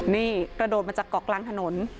นี่กระโดดมาจากเกาะกลางถนน